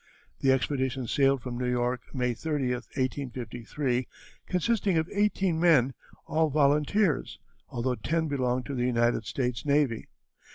The expedition sailed from New York May 30, 1853, consisting of eighteen men, all volunteers, although ten belonged to the United States Navy.